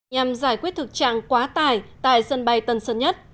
nhằm giải quyết thực trạng quá tải tại sân bay tân sơn nhất